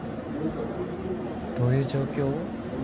どういう状況？